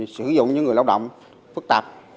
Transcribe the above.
sử dụng những người lao động phức tạp